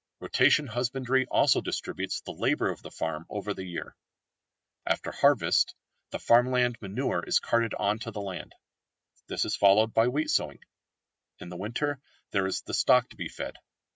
Rotation husbandry also distributes the labour of the farm over the year. After harvest the farmyard manure is carted on to the land. This is followed by wheat sowing. In the winter there is the stock to be fed.